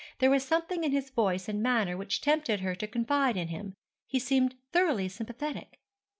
There was something in his voice and manner which tempted her to confide in him. He seemed thoroughly sympathetic.